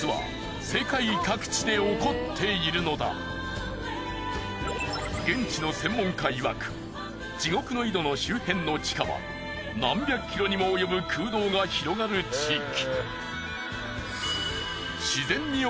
実は現地の専門家いわく地獄の井戸の周辺の地下は何百キロにもおよぶ空洞が広がる地域。